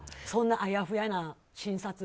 そんなあやふやな診察。